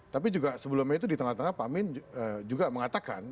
tapi juga sebelumnya itu di tengah tengah pak amin juga mengatakan